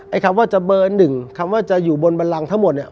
คำว่าจะเบอร์หนึ่งคำว่าจะอยู่บนบันลังทั้งหมดเนี่ย